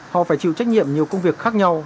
họ phải chịu trách nhiệm nhiều công việc khác nhau